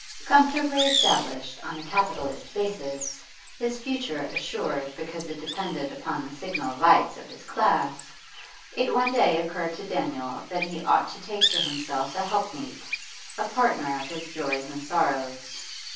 Comfortably established on a capitalist basis, his future assured because it depended upon the signal vice of his class, it one day occurred to Daniel that he ought to take to himself a helpmeet, a partner of his joys and sorrows.